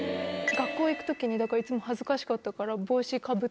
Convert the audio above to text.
学校行くときにだからいつも恥ずかしかったから。